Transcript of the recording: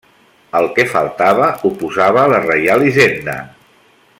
El que faltava ho posava la Reial Hisenda.